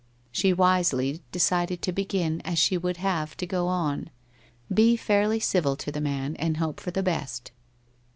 She wisely decided to begin as she would have to go on, be fairly civil to the man and hope for the best.